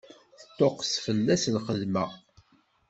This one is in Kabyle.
Teṭṭuqqet fell-as lxedma.